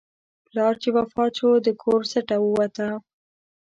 پلار چې وفات شو، د کور سټه ووته.